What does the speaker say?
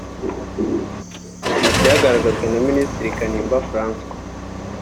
Mu byagaragajwe na Minisitiri Kanimba Francois